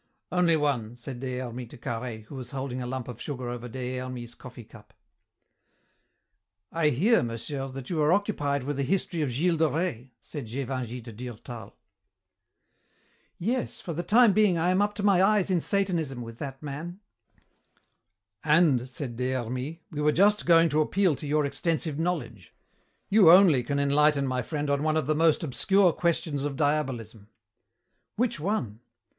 "Only one," said Des Hermies to Carhaix, who was holding a lump of sugar over Des Hermies's coffee cup. "I hear, monsieur, that you are occupied with a history of Gilles de Rais," said Gévingey to Durtal. "Yes, for the time being I am up to my eyes in Satanism with that man." "And," said Des Hermies, "we were just going to appeal to your extensive knowledge. You only can enlighten my friend on one of the most obscure questions of Diabolism." "Which one?"